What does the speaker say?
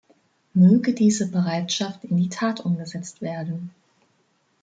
Möge diese Bereitschaft in die Tat umgesetzt werden.